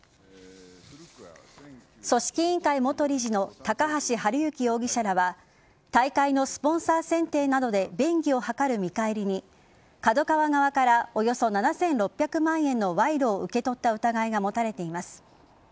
組織委員会元理事の高橋治之容疑者らは大会のスポンサー選定などで便宜を図る見返りにＫＡＤＯＫＡＷＡ側からおよそ７６００万円の賄賂を受け取った疑いが持たれています。